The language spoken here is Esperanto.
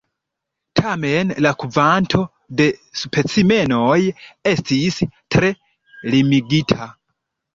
Tamen, la kvanto de specimenoj estis tre limigita.